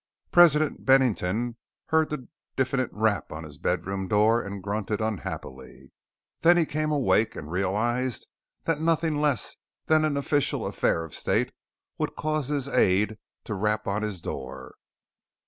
President Bennington heard the diffident rap on his bedroom door and grunted unhappily. Then he came awake and realized that nothing less than an official Affair of State would cause his Aide to rap on his door.